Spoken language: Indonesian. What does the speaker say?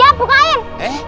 ya buka air